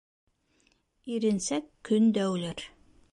Иренсәк көн дә үлер.